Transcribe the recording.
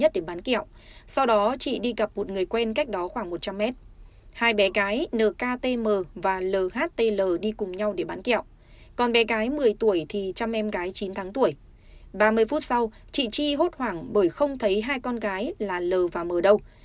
ba mươi phút sau chị chi hốt hoảng bởi không thấy hai con gái là lờ và mờ đâu